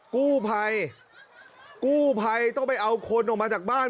กู้ภัยกู้ภัยต้องไปเอาคนออกมาจากบ้าน